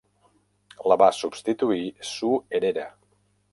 La va substituir Sue Herera.